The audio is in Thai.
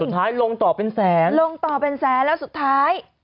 สุดท้ายลงต่อเป็นแสนลงต่อเป็นแสนแล้วสุดท้าย